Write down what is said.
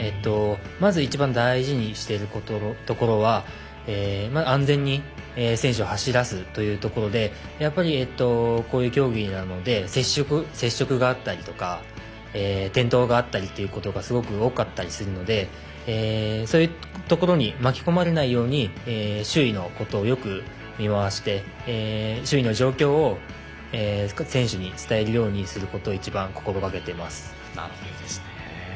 まず一番大事にしているところは安全に選手を走らすというところでやっぱり、こういう競技なので接触があったりとか転倒があったりということがすごく多かったりするのでそういうところに巻き込まれないように周囲のことをよく見まわして周囲の状況を選手に伝えるようにすることを一番心がけています。